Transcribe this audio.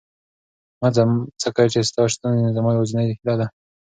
مه ځه، ځکه چې ستا شتون زما یوازینۍ هیله ده.